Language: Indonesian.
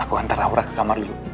aku antara aura ke kamar dulu